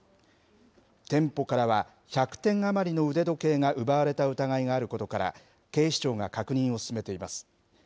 店舗からは１００点余りの腕時計が奪われた疑いがあることから、警視庁が確認を進めています。